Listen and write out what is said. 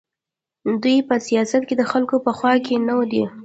دوی په سیاست کې د خلکو په خوا کې نه دي.